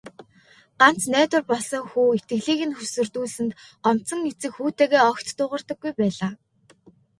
Ганц найдвар болсон хүү итгэлийг нь хөсөрдүүлсэнд гомдсон эцэг хүүтэйгээ огт дуугардаггүй байлаа.